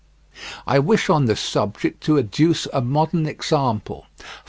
I wish on this subject to adduce a modern example.